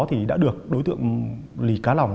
thì đã được đối tượng lý cá lòng